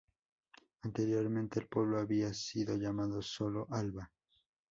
Anteriormente el pueblo había sido llamado sólo Alba.